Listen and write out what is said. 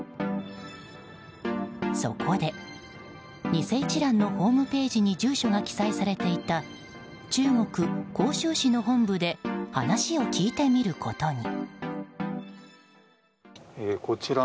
そこで、偽一蘭のホームページに住所が記載されていた中国・杭州市の本部で話を聞いてみることに。